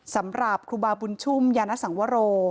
สำหรับครูบาบุญชุ่มยานสังวโร